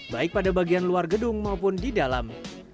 baik pada bagian luar gedung maupun di dalam